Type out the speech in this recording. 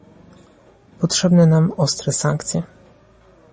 Potrzebne nam ostre sankcje